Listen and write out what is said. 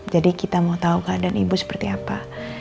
jadi kita mau tau keadaan ibu seperti apa